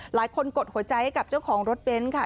หลายคนกดหัวใจให้กับเจ้าของรถเบนค่ะ